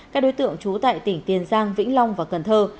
các đối tượng trú tại tỉnh tiền giang vĩnh long và cần thơ